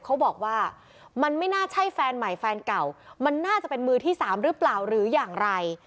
เขาบอกว่ามันไม่น่าใช่แฟนใหม่แฟนเก่ามันน่าจะเป็นมือที่สามหรือเปล่าหรืออย่างไร